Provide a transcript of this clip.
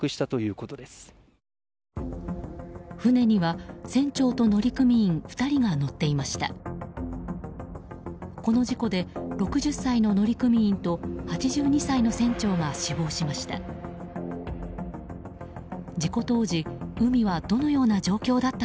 この事故で６０歳の乗組員と８２歳の船長が死亡しました。